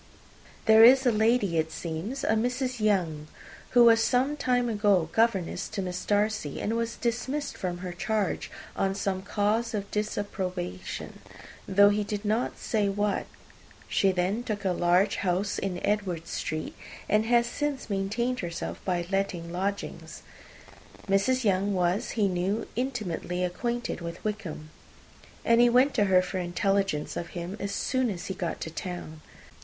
There is a lady, it seems, a Mrs. Younge, who was some time ago governess to Miss Darcy, and was dismissed from her charge on some cause of disapprobation, though he did not say what. She then took a large house in Edward Street, and has since maintained herself by letting lodgings. This Mrs. Younge was, he knew, intimately acquainted with Wickham; and he went to her for intelligence of him, as soon as he got to town.